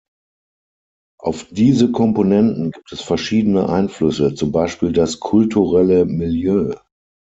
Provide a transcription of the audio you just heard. Auf diese Komponenten gibt es verschiedene Einflüsse, zum Beispiel das kulturelle Milieu.